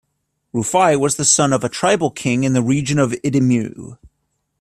Rufai was the son of a tribal king in the region of Idimu.